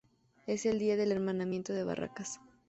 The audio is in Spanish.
Es el día del Hermanamiento de Barracas.